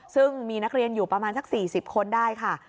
ซึ่งมีนักเรียนอยู่ประมาณสัก๔๐คนได้ค่ะ